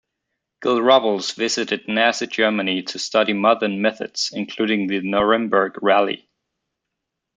Gil Robles visited Nazi Germany to study modern methods, including the Nuremberg Rally.